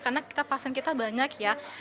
karena pasien kita banyak